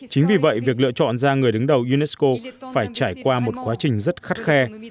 chính vì vậy việc lựa chọn ra người đứng đầu unesco phải trải qua một quá trình rất khắt khe